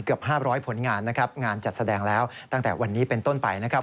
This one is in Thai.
เกือบ๕๐๐ผลงานนะครับงานจัดแสดงแล้วตั้งแต่วันนี้เป็นต้นไปนะครับ